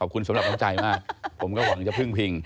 ขอบคุณสำหรับน้ำใจมากผมก็หวังจะพึ่งพิง